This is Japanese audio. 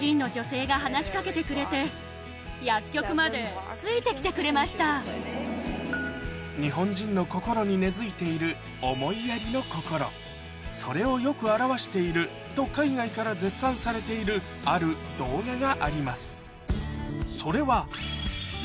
５つ目は日本に住む日本人の心に根付いているそれをよく表していると海外から絶賛されているある動画があります